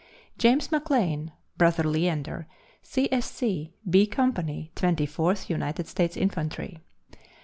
James McLain (Brother Leander), C. S. C., B Company, Twenty fourth United States Infantry.